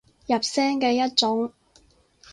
入聲嘅一種